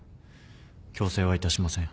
強制はいたしません。